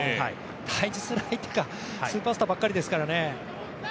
対峙する相手がスーパースターばっかりですからね。